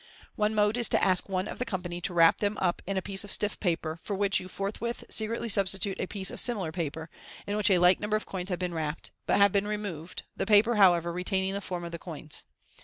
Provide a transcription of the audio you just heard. One mode is to ask one of the company to wrap them up in a piece of stiff paper, for which you forthwith secretly substitute a piece of similar paper, in which a like number of coins have been wrapped, but have been removed, the paper, however, retaining the form of the coins.